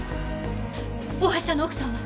大橋さんの奥さんは？